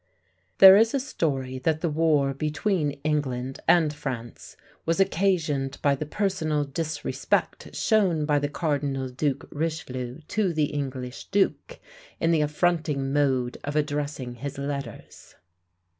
There is a story that the war between England and France was occasioned by the personal disrespect shown by the Cardinal Duke Richelieu to the English Duke, in the affronting mode of addressing his letters.